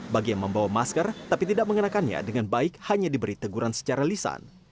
bagi yang membawa masker tapi tidak mengenakannya dengan baik hanya diberi teguran secara lisan